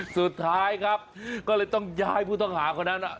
สุดท้ายครับก็เลยต้องย้ายผู้ต้องหาคนนั้น